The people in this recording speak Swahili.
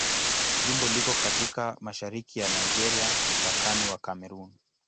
Jimbo liko katika mashariki ya Nigeria, mpakani wa Kamerun.